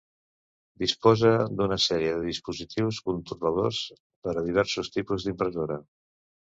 Disposa d'una sèrie de dispositius controladors per a diversos tipus d'impressora.